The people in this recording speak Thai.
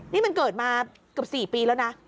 นี่มันเกิดมาเกือบ๔ปีแล้วนะ